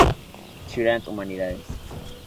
Tirant Humanidades.